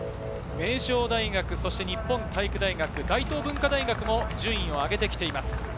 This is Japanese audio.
名城大学、日本体育大学、大東文化大学も順位を上げてきています。